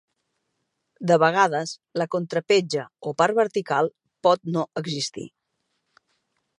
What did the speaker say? De vegades la contrapetja o part vertical pot no existir.